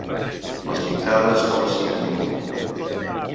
Les pintades, no les signa ningú.